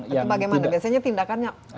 itu bagaimana biasanya tindakannya